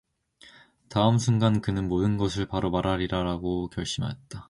다음 순간 그는 모든 것을 바로 말하리라 하고 결심하였다.